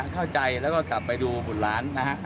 เข้าใจแล้วก็กลับไปดูผลหลานนะครับ